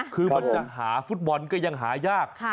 คือมันจะหาฟุตบอลก็ยังหายาก